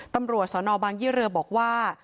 ตำรวจสนบางยี่เรือบอกว่า